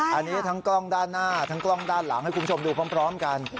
อันนี้ทั้งกล้องด้านหน้าทั้งกล้องด้านหลังให้คุณผู้ชมดูพร้อมกัน